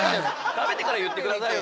食べてから言って下さいよ